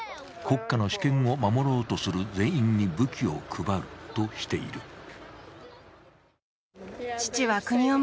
国家の主権を守ろうとする全員に武器を配るとしている。